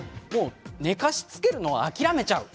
寝かしつけるのを諦めちゃう。